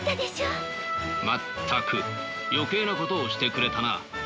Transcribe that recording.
全く余計なことをしてくれたな。